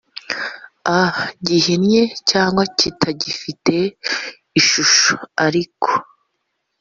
a gihinnye cyangwa kitagifite ishusho ariko